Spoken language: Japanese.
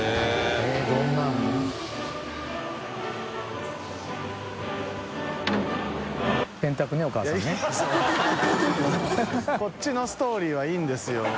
海辰舛ストーリーはいいんですよ。